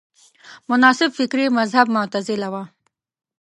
مناسب فکري مذهب معتزله وه